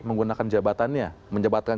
menggunakan jabatannya menyebatkan